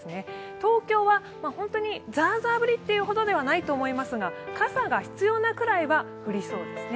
東京は本当にザーザー降りというほどではないと思いますが、傘が必要なくらいは降りそうですね。